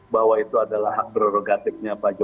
bahwa itu adalah hak prerogatif